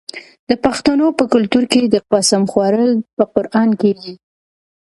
د پښتنو په کلتور کې د قسم خوړل په قران کیږي.